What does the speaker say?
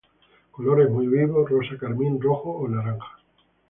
Colores muy vivos rosa carmín, rojo o naranja.